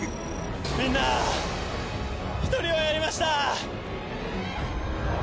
みんな、１人はやりました。